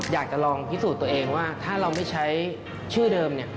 อยากจะลองพิสูจน์ตัวเองว่าถ้าเราไม่ใช้ชื่อเดิม